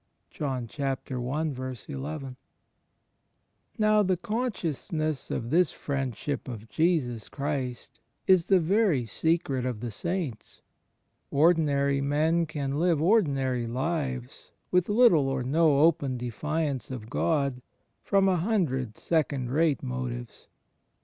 ^ Now the consciousness of this friendship of Jesus Christ is the very secret of the Saints. Ordinary men can live ordinary lives, with little or no open defiance of God, from a hundred second rate motives.